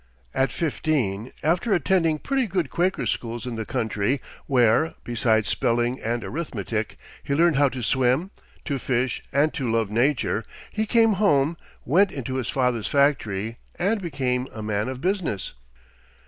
At fifteen, after attending pretty good Quaker schools in the country, where, besides spelling and arithmetic, he learned how to swim, to fish, and to love nature, he came home, went into his father's factory, and became a man of business.